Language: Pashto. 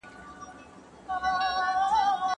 سیاستپوهنه به نوي نسلونه وروزي.